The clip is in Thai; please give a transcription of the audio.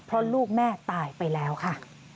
เพราะลูกแม่ตายไปแล้วค่ะ